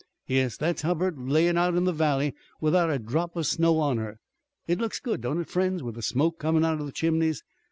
Yes, thar's Hubbard, layin' out in the valley without a drop of snow on her. It looks good, don't it, friends, with the smoke comin' out of the chimneys.